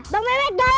bang mehmet dong